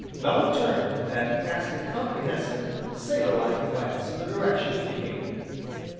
Bellew turned, and cast a comprehensive, sailor like glance in the direction indicated.